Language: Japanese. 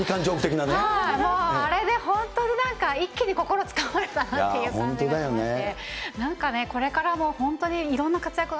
もう、あれで本当になんか一気に心つかまれたなっていう感じがして。